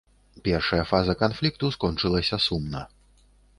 Першая фаза канфлікту скончылася сумна.